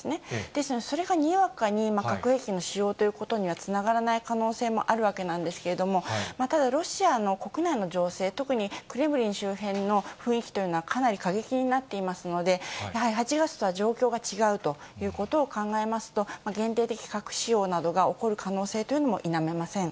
ですので、それがにわかに核兵器の使用ということにはつながらない可能性もあるわけなんですけれども、ただ、ロシアの国内の情勢、特にクレムリン周辺の雰囲気というのはかなり過激になっていますので、やはり８月とは状況が違うということを考えますと、限定的核使用などが起こる可能性というのも否めません。